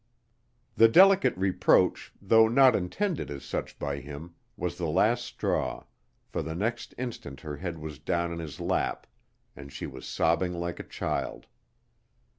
The delicate reproach, though not intended as such by him, was the last straw, for the next instant her head was down in his lap and she was sobbing like a child.